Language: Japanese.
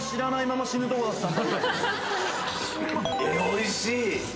おいしい！